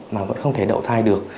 mà vẫn không thể đậu thai được